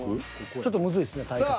ちょっとむずいっすね対角が。